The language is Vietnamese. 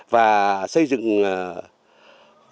và xây dựng vôi cát và mật mía